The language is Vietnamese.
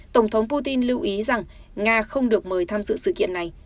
tổng thống putin lưu ý rằng nga không được mời tham dự sự kiện này